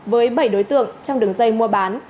với bảy đối tượng trong đường dây mua bán